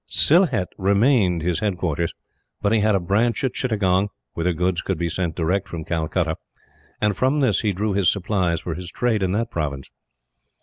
Sylhet remained his headquarters; but he had a branch at Chittagong, whither goods could be sent direct from Calcutta, and from this he drew his supplies for his trade in that province.